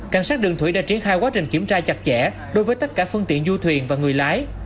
cảnh sát đường thủy đã triển khai quá trình kiểm tra chặt chẽ đối với tất cả phương tiện du thuyền và người lái